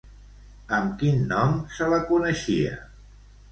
Amb quin nom se la coneixia?